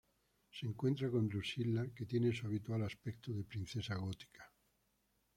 Se encuentra con Drusilla, que tiene su habitual aspecto de princesa gótica.